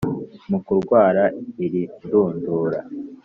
Mu kurwara iridudura